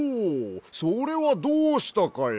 それはどうしたかや？